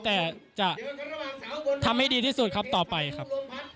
แต่จะทำให้ดีที่สุดครับต่อไปครับ